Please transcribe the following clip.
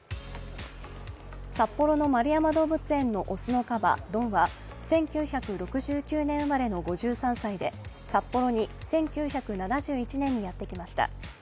札幌の円山動物園の雄のかばドンは、１９６９年生まれの５３歳で、札幌に１９７１年にやってきました。